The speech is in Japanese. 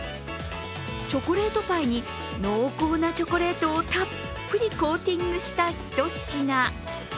チョコレートパイに濃厚なチョコレートをたっぷりコーティングしたひと品。